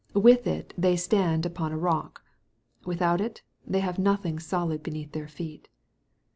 With it, they stand upon a rock. Without it, they have nothing solid beneath their feet.